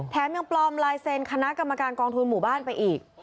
ยังปลอมลายเซ็นคณะกรรมการกองทุนหมู่บ้านไปอีก